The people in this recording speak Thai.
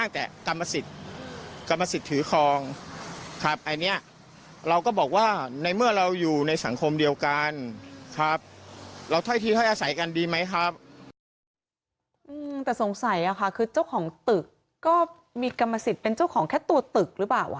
แต่สงสัยค่ะคือเจ้าของตึกก็มีกรรมสิทธิ์เป็นเจ้าของแค่ตัวตึกหรือเปล่า